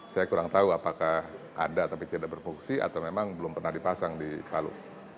saya kurang tahu apakah ada tapi tidak berfungsi atau memang belum pernah dipasang di palu